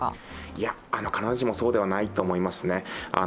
いや、必ずしもそうではないと思いますね。